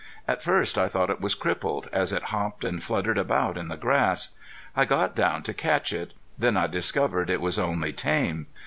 At first I thought it was crippled, as it hopped and fluttered about in the grass. I got down to catch it. Then I discovered it was only tame.